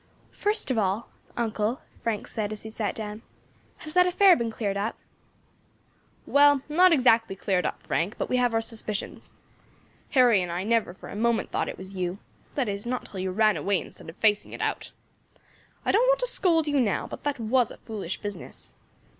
"First of all, uncle," Frank said, as he sat down, "has that affair been cleared up?" "Well, not exactly cleared up, Frank, but we have our suspicions. Harry and I never for a moment thought it was you that is not till you ran away instead of facing it out. I don't want to scold you now, but that was a foolish business."